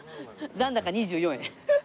残高２４円。